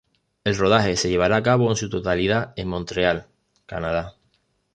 El rodaje se llevará a cabo en su totalidad en Montreal, Canadá.